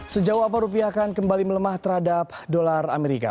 sejauh apa rupiah akan kembali melemah terhadap dolar amerika